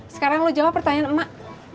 sekarang lo jawab pertanyaan emak